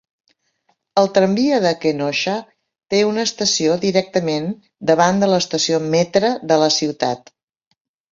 El tramvia de Kenosha té una estació directament davant de l'estació Metra de la ciutat.